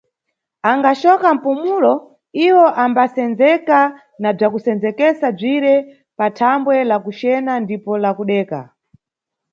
Angacoka mpumulo, iwo ambasendzeka na bzakusendzekesa bzire pathambwe la kucena ndipo la kudeka.